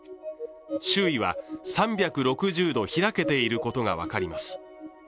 周囲は３６０度開けていることが分かります。